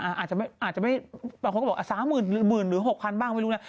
อาจจะไม่บางคนก็บอก๓๐๐๐หรือ๖๐๐บ้างไม่รู้นะ